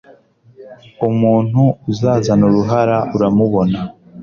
Umuntu uzazana uruhara uramubona